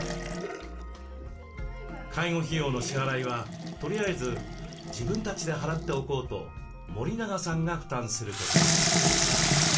介護費用の支払いはとりあえず自分たちで払っておこうと森永さんが負担することに。